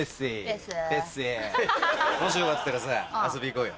もしよかったらさ遊び行こうよ。